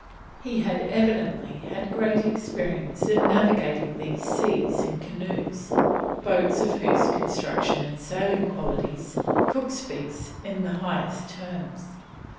He had evidently had great experience in navigating these seas in canoes, boats of whose construction and sailing qualities Cook speaks in the highest terms.